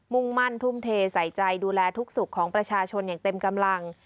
่งมั่นทุ่มเทใส่ใจดูแลทุกสุขของประชาชนอย่างเต็มกำลัง